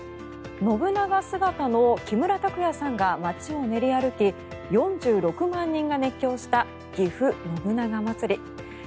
信長姿の木村拓哉さんが街を練り歩き４６万人が熱狂したぎふ信長まつり。